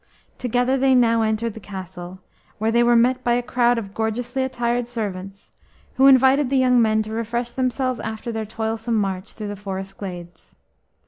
Together they now entered the castle, where they were met by a crowd of gorgeously attired servants, who invited the young men to refresh themselves after their toilsome march through the forest glades.